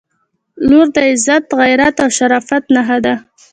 • لور د عزت، غیرت او شرافت نښه ده.